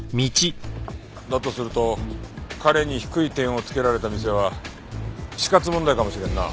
だとすると彼に低い点を付けられた店は死活問題かもしれんな。